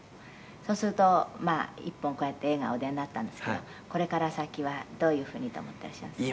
「そうすると一本こうやって映画お出になったんですからこれから先はどういうふうにと思っていらっしゃるんですか？」